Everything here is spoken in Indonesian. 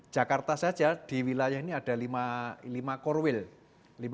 jakarta saja di wilayah ini ada lima core wheel